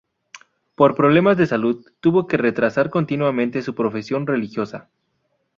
Por problemas de salud tuvo que retrasar continuamente su profesión religiosa.